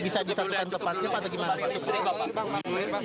bisa bisa tekan tepatnya pak